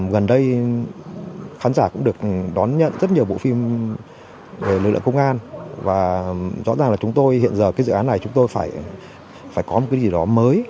gần đây khán giả cũng được đón nhận rất nhiều bộ phim về lực lượng công an và rõ ràng là chúng tôi hiện giờ cái dự án này chúng tôi phải có một cái gì đó mới